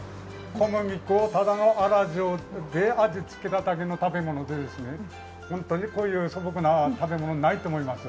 小麦粉をただの粗塩で味付けただけの食べ物でホントにこういう素朴な食べ物、ないと思います。